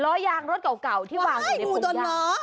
ล้อยางรถเก่าที่วางอยู่ในโพรงย่า